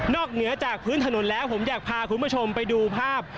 เหนือจากพื้นถนนแล้วผมอยากพาคุณผู้ชมไปดูภาพ